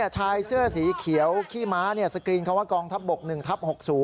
ชายเสื้อสีเขียวขี้ม้าสกรีนคำว่ากองทัพบก๑ทับ๖๐